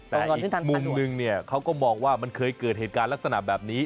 แต่อีกมุมนึงเนี่ยเขาก็มองว่ามันเคยเกิดเหตุการณ์ลักษณะแบบนี้